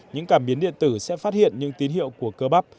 những cảm biến điện tử sẽ phát hiện những tín hiệu của cơ bắp